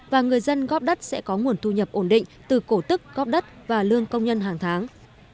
và người dân góp đất sẽ có nguồn thu nhập ổn định từ cổ tức góp đất và lương công nhân hàng tháng